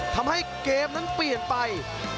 ทำให้เกมนั้นเปลี่ยนไป